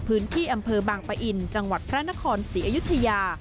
พื้นที่อำเภอบางปะอินจังหวัดพระนครศรีอยุธยา